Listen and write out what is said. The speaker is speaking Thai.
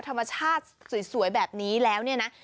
ธรรมชาติสวยแบบนี้แล้วเนี่ยนะ